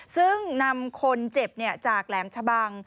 ซึ่งนำคนเจ็บจากแหลมชะบัง